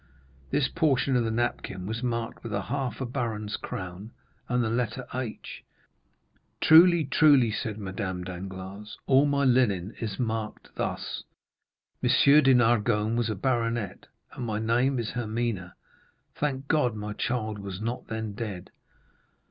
This portion of the napkin was marked with half a baron's crown, and the letter H." "Truly, truly," said Madame Danglars, "all my linen is marked thus; Monsieur de Nargonne was a baron, and my name is Hermine. Thank God, my child was not then dead!"